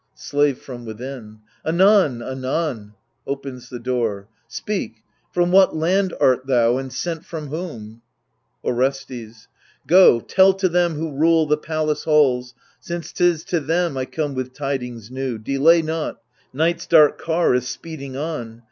Slave {from within) Anon, anon ! [Opens the door. Speak, from what land art thou, and sent from whom ? Orestes Go, tell to them who rule the palace halls, Since 'tis to them I come with tidings new — (Delay not — Night's dark car is speeding on.